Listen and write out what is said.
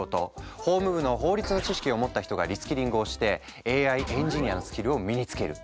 法務部の法律の知識を持った人がリスキリングをしてＡＩエンジニアのスキルを身につける。